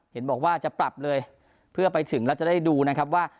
เห็นบอกว่าจะปรับเลยเพื่อไปถึงแล้วจะได้ดูนะครับว่า